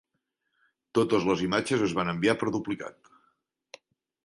Totes les imatges es van enviar per duplicat.